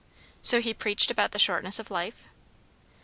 "So he preached about the shortness of life?"